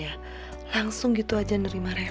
clara itu kan baik